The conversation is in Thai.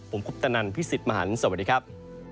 ผมคุปตนันพี่สิทธิ์มหันฯสวัสดีครับ